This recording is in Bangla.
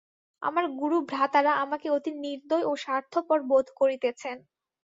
আমার গুরু ভ্রাতারা আমাকে অতি নির্দয় ও স্বার্থপর বোধ করিতেছেন।